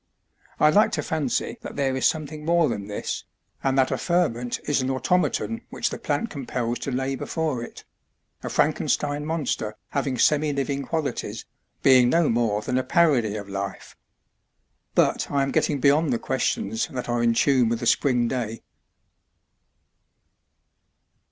I like to fancy that there is something more than this, and that a ferment is an automaton which the plant compels to labour for itŌĆöa Frankenstein monster having semi living qualities, being no more than a parody of life. But I am getting beyond the questions that are in tune with a spring day.